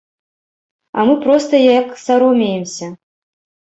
А мы проста як саромеемся.